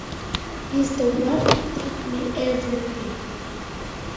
He is the one who taught me everything.